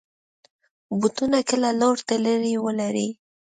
بوټونه کله لوړ تلي ولري.